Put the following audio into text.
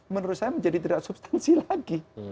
menurut saya menjadi tidak substansi lagi